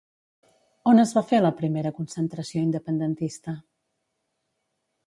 On es va fer la primera concentració independentista?